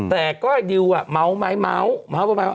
แต่ก้อยดิวมัวไหมมัว